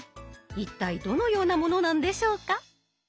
一体どのようなものなんでしょうか。